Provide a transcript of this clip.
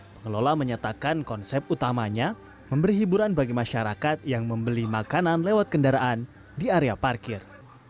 pengelola menyatakan konsep utamanya memberi hiburan bagi masyarakat yang membeli makanan lewat kendaraan di area parkir